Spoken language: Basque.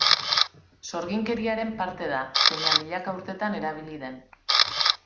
Sorginkeriaren parte da, zeina milaka urtetan erabili den.